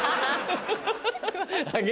ハハハ！